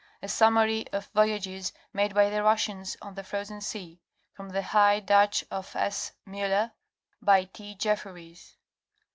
A summary of voyages made by the Russians on the frozen sea. From the high Dutch of S[taatsrath]. Muller by T. Jefferys.